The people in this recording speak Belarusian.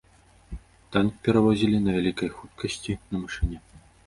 Танк перавозілі на вялікай хуткасці на машыне.